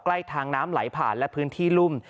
ใกล้ทางน้ำไหลผ่านและพื้นที่รุ่ม